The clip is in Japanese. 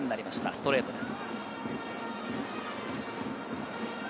ストレートです。